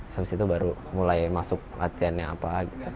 sampai situ baru mulai masuk latihannya apa